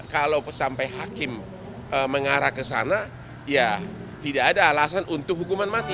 kalau sampai hakim mengarah ke sana ya tidak ada alasan untuk hukuman mati